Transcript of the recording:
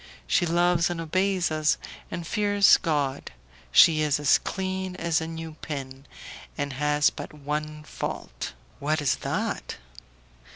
She loves and obeys us, and fears God; she is as clean as a new pin, and has but one fault." "What is that?"